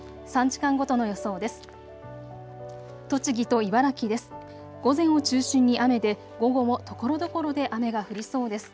３時間ごとの予想です。